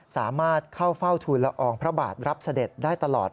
สามารถเข้าเฝ้าทุนละอองพระบาทรับเสด็จได้ตลอด